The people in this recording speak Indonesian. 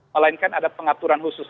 melainkan ada pengaturan khusus